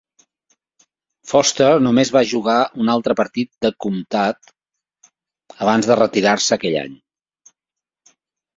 Foster només va jugar un altre partit del comtat abans de retirar-se aquell any.